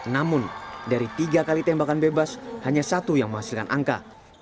namun dari tiga kali tembakan bebas hanya satu yang menghasilkan angka